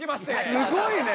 すごいね！